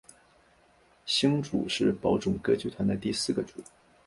星组是宝冢歌剧团的第四个组。